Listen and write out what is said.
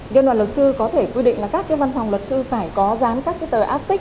ghiên đoàn luật sư có thể quy định là các cái văn phòng luật sư phải có rán các cái tờ áp tích